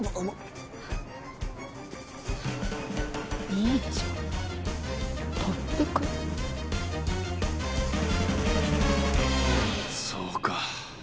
「兄ちゃん」「特服」そうか。